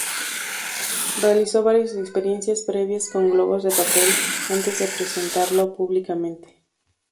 Realizó varias experiencias previas con globos de papel antes de presentarlo públicamente.